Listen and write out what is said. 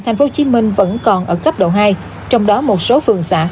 các đơn vị nhà máy đang bắt đầu hoạt động sẽ có một số trường hợp dân tính